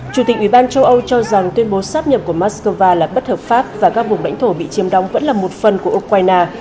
chủ tịch ủy ban châu âu cho rằng tuyên bố sáp nhập của moscow là bất hợp pháp và các vùng lãnh thổ bị chiếm đóng vẫn là một phần của ukraine